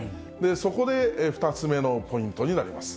そこで２つ目のポイントになります。